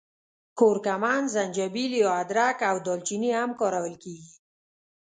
کورکمن، زنجبیل یا ادرک او دال چیني هم کارول کېږي.